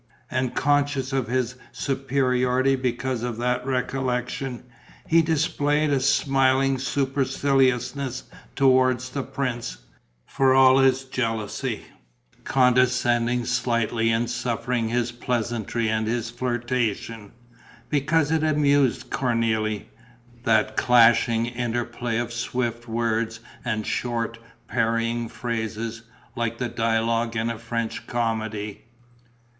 And, conscious of his superiority because of that recollection, he displayed a smiling superciliousness towards the prince, for all his jealousy, condescending slightly and suffering his pleasantry and his flirtation, because it amused Cornélie, that clashing interplay of swift words and short, parrying phrases, like the dialogue in a French comedy.